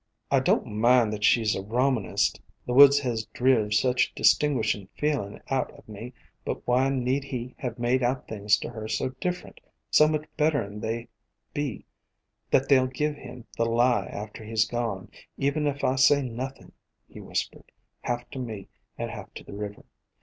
"I don't mind that she 's a Romanist — the woods has driv' such distinguishin' feelin' out o' me — but why need he have made out things to her so differint, so much better 'n they be that they '11 give him the lie after he 's gone, even if I say nothing," he whispered, half to me and half to the river.